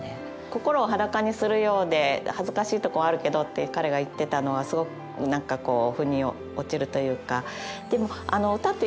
心を裸にするようで恥ずかしいとこあるけどって彼が言ってたのはすごく何かこうふに落ちるというか。